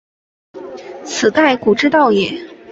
此盖古之道也。